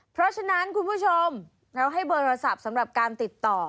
เพราะฉะนั้นคุณผู้ชมเราให้เบอร์โทรศัพท์สำหรับการติดต่อ